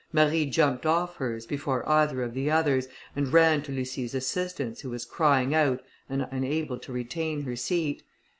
Marie jumped off hers before either of the others, and ran to Lucie's assistance, who was crying out and unable to retain her seat.